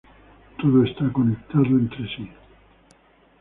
Todo está conectado con todo lo demás.